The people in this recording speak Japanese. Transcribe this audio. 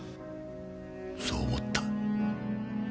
そう思った。